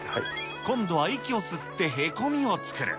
今度は息を吸ってへこみを作る。